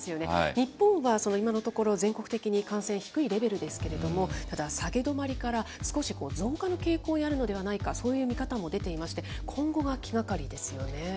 日本は今のところ、全国的に感染低いレベルですけれども、ただ、下げ止まりから、少し増加の傾向にあるのではないか、そういう見方も出ていまして、今後が気がかりですよね。